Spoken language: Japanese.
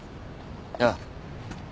ああ。